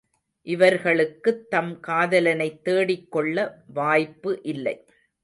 இவர்களுக்குத் தம் காதலனைத் தேடிக்கொள்ள வாய்ப்பு இல்லை.